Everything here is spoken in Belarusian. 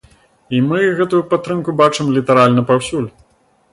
І мы гэтую падтрымку бачым літаральна паўсюль.